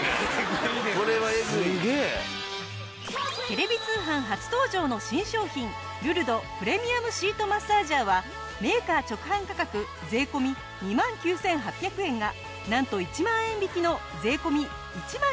テレビ通販初登場の新商品ルルドプレミアムシートマッサージャーはメーカー直販価格税込２万９８００円がなんと１万円引きの税込１万９８００円。